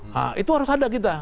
nah itu harus ada kita